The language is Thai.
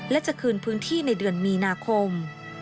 และจะคืนพื้นที่ในเดือนมีนาคม